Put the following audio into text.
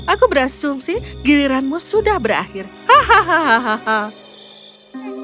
aku berasumsi giliranmu sudah berakhir hahaha